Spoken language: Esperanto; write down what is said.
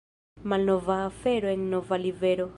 Malnova afero en nova livero.